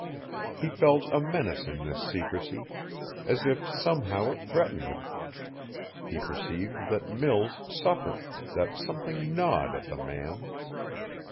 He felt a menace in this secrecy, as if somehow it threatened him. He perceived that Mills suffered, that something gnawed at the man.